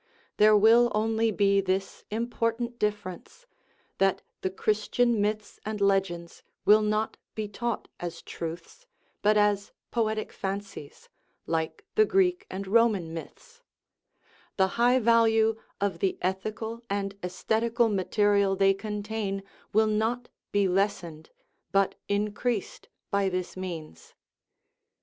There will only be this important dif ference that the Christian myths and legends will not be taught as truths, but as poetic fancies, like the Greek and Roman myths ; the high value of the ethical and aesthetical material they contain will not be les sened, but increased, by this means.